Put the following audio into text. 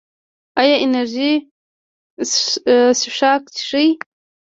ایا انرژي څښاک څښئ؟